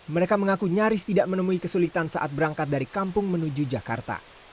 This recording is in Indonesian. mereka mengaku nyaris tidak menemui kesulitan saat berangkat dari kampung menuju jakarta